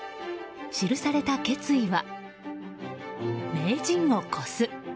記された決意は名人を超す。